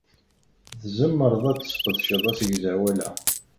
Tzemreḍ ad tesqedceḍ asegzawal-a.